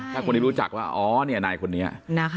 ถ้าคนที่รู้จักว่าอ๋อเนี่ยนายคนนี้